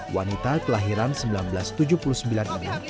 wanita kelahiran seribu sembilan ratus tujuh puluh sembilan ini